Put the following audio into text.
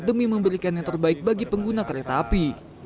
demi memberikan yang terbaik bagi pengguna kereta api